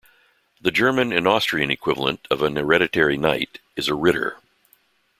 The German and Austrian equivalent of an hereditary knight is a "Ritter".